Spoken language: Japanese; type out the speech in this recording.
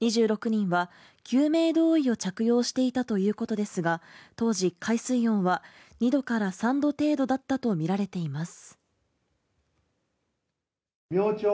２６人は救命胴衣を着用していたということですが当時、海水温は２度から３度程度だったとみられています。